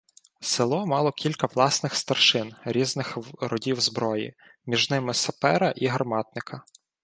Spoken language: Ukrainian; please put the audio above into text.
Село мало кілька власних старшин різних родів зброї, між ними сапера і гарматника.